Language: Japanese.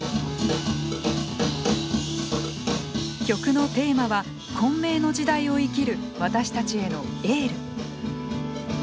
曲のテーマは混迷の時代を生きる私たちへのエール。